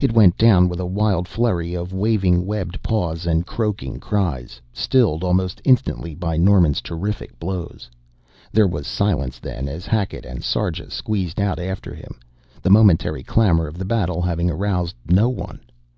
It went down with a wild flurry of waving webbed paws and croaking cries, stilled almost instantly by Norman's terrific blows. There was silence then as Hackett and Sarja squeezed out after him, the momentary clamor of the battle having aroused no one.